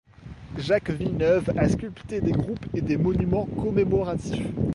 Jacques Villeneuve a sculpté des groupes et des monuments commémoratifs.